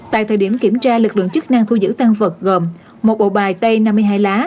tại thời điểm kiểm tra lực lượng chức năng thu giữ tăng vật gồm một bộ bài tay năm mươi hai lá